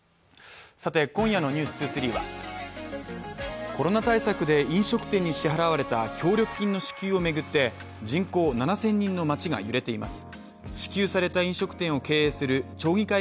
今夜の「ｎｅｗｓ２３」はコロナ対策で飲食店に支払われた協力金の支給を巡って人口７０００人の町が揺れています。